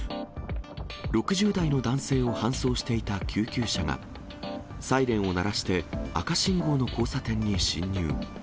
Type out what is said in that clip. ６０代の男性を搬送していた救急車が、サイレンを鳴らして赤信号の交差点に進入。